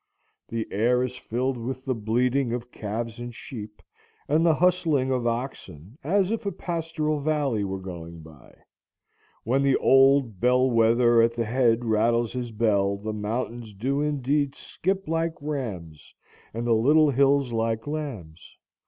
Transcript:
The air is filled with the bleating of calves and sheep, and the hustling of oxen, as if a pastoral valley were going by. When the old bell wether at the head rattles his bell, the mountains do indeed skip like rams and the little hills like lambs.